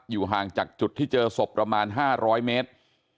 ห่างจากจุดที่เจอศพประมาณ๕๐๐เมตร